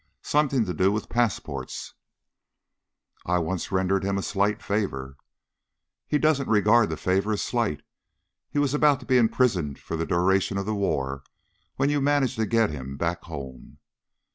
Something to do with passports " "I once rendered him a slight favor." "He doesn't regard the favor as 'slight.' He was about to be imprisoned for the duration of the war and you managed to get him back home."